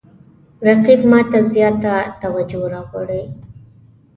رقیب ما ته زیاته توجه را اړوي